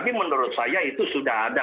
menurut saya itu sudah ada